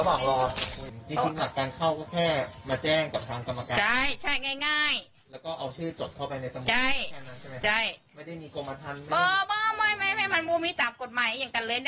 ไม่ตามกฎหมายอย่างกันเลยเนี่ย